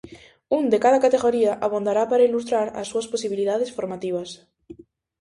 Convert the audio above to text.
Un de cada categoría abondará para ilustrar as súas posibilidades formativas.